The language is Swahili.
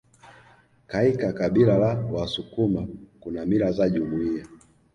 Kaika kabila la wasukuma Kuna mila za jumuiya